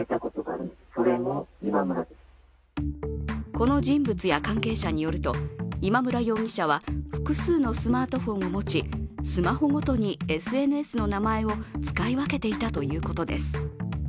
この人物や関係者によると今村容疑者は複数のスマートフォンを持ち、スマホごとにＳＮＳの名前を使い分けていたということです。